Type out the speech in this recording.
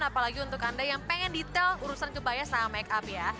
apalagi untuk anda yang pengen detail urusan kebayasan makeup ya